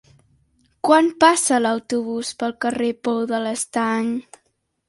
Quan passa l'autobús pel carrer Pou de l'Estany?